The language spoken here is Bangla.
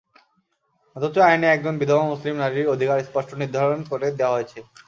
অথচ আইনে একজন বিধবা মুসলিম নারীর অধিকার স্পষ্ট নির্ধারণ করে দেওয়া হয়েছে।